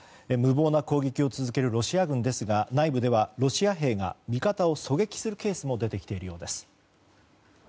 無謀な攻撃を続けるロシア軍ですが内部ではロシア兵が味方を狙撃するケースも出てきているようです。